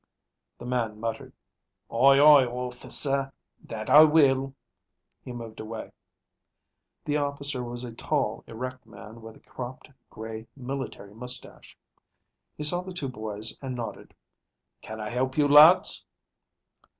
The man muttered, "Aye aye, Orficer. That I will." He moved away. The officer was a tall, erect man with a cropped, gray military mustache. He saw the two boys and nodded. "Can I help you, lads?"